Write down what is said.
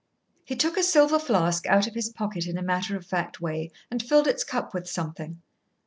He took a silver flask out of his pocket in a matter of fact way, and filled its cup with something.